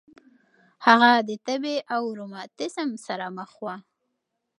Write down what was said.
هغې د تبه او روماتیسم سره مخ وه.